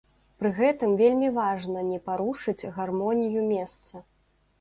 Пры гэтым вельмі важна не парушыць гармонію месца.